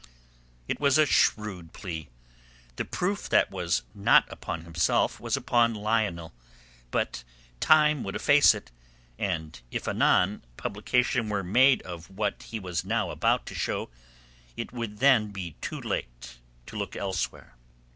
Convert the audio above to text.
It was a shrewd plea. The proof that was not upon himself was upon Lionel; but time would efface it, and if anon publication were made of what he was now about to show, it would then be too late to look elsewhere.